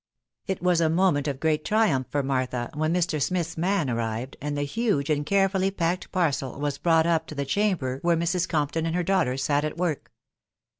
It was a moment of great triumph for Martha when Mr. Smith's man arrived, and the huge and carefully packed parcel was brought up to the chamber where Mrs. Compton and her daughters sat at work.